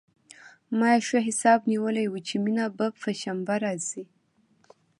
ما يې ښه حساب نيولى و چې مينه به پر شنبه راځي.